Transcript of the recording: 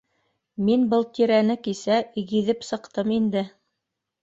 — Мин был тирәне кисә гиҙеп сыҡтым инде